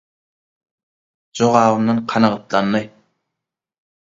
Jogabymdan kanagatlandy.